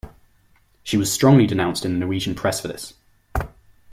She was strongly denounced in the Norwegian press for this.